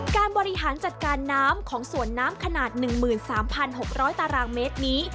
การบริหารจัดการน้ำของสวนน้ำขนาด๑๓๖๐๐ตารางเมตรนี้